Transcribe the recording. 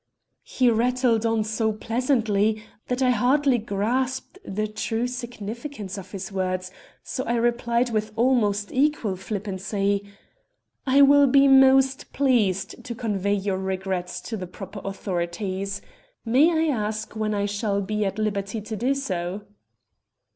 "He rattled on so pleasantly that I hardly grasped the true significance of his words, so I replied with almost equal flippancy "'I will be most pleased to convey your regrets to the proper authorities. May I ask when I shall be at liberty to do so?'